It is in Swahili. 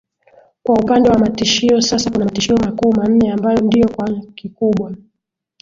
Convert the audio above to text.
Kwa upande wa matishio sasa kuna matishio makuu manne ambayo ndio kwa kikubwa